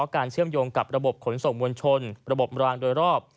ควรส่งมวลชนระบบรางโดยรอบ